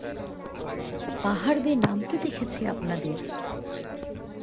পাহাড় বেয়ে নামতে দেখেছি আপনাদের!